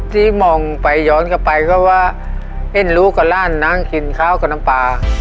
ที่มองไปย้อนกลับไปก็ว่าเห็นลูกกับร่านนั่งกินข้าวกับน้ำปลา